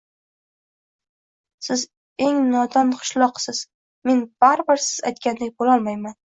«Siz eng nodon qishloqisiz! Men bari bir siz aytgandek boʼlolmayman.